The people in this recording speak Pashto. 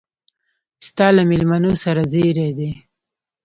ستا له مېلمنو سره زېري دي.